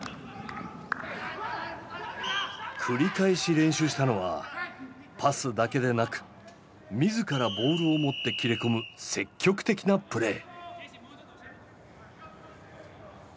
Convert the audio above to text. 繰り返し練習したのはパスだけでなく自らボールを持って切れ込む積極的なプレー。